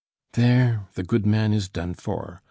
"There, the good man is done for!"